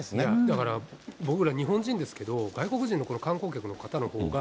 だから、僕ら日本人ですけど、外国人の観光客の方のほうが、